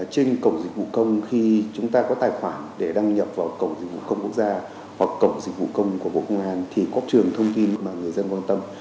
trên cổng dịch vụ công khi chúng ta có tài khoản để đăng nhập vào cổng dịch vụ công quốc gia hoặc cổng dịch vụ công của bộ công an thì có trường thông tin mà người dân quan tâm